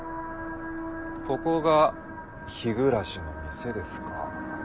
ここが日暮の店ですか。